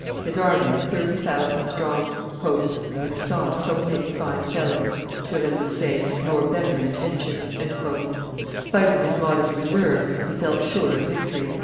His army was thirty thousand strong. "I never saw so many fine fellows," Turenne would say, "nor better intentioned." Spite of his modest reserve, he felt sure of victory.